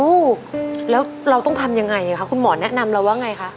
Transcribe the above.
ลูกแล้วเราต้องทำยังไงคะคุณหมอแนะนำเราว่าไงคะ